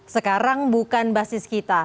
sekarang bukan basis kita